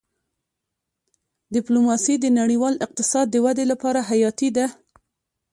ډيپلوماسي د نړیوال اقتصاد د ودې لپاره حیاتي ده.